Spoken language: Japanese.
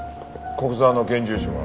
古久沢の現住所は？